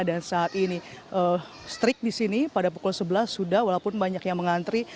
dan saat ini strik di sini pada pukul sebelas sudah walaupun banyak yang mengantri